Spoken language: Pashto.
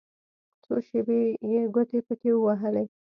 څو شېبې يې ګوتې پکښې ووهلې.